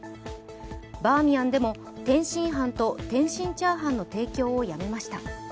バーミヤンでも、天津飯と天津チャーハンの提供をやめました。